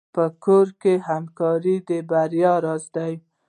په کور کې همکاري د بریا راز دی.